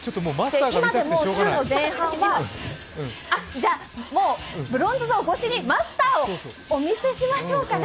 今でも週の前半はブロンズ像越しにマスターをお見せしましょうかね。